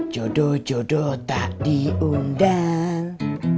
jodoh jodoh tak diundang